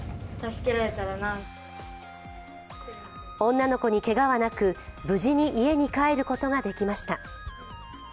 女の子にけがはなく無事に家に帰ることができました。